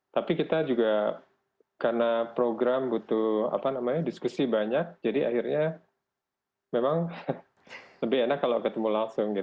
tapi kita juga karena program butuh diskusi banyak jadi akhirnya memang lebih enak kalau ketemu langsung